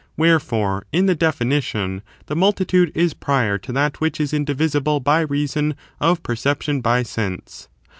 Wherefore, in the definition the multi tude is prior to that which is indivisible by reason of per ception by sense.